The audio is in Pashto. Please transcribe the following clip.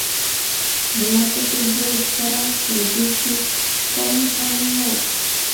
زما کشر زوی سره له دې چې کوڼ هم و